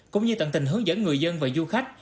cũng như tận tình hướng dẫn người dân và du khách